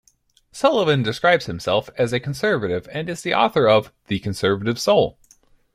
Sullivan describes himself as a conservative and is the author of "The Conservative Soul".